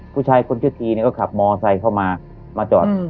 ผู้ชายคนชื่อทีเนี่ยก็ขับมอไซค์เข้ามามาจอด